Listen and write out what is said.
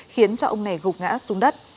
khiến ông nghiệp gục ngã xuống đất